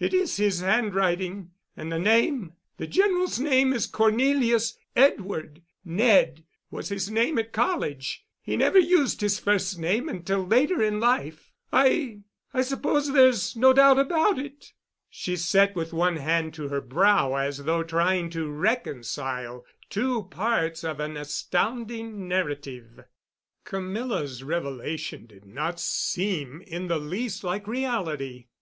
"It is his handwriting—and the name—the General's name is Cornelius Edward—'Ned' was his name at college—he never used his first name until later in life. I—I suppose there's no doubt about it." She sat with one hand to her brow as though trying to reconcile two parts of an astounding narrative. Camilla's revelation did not seem in the least like reality.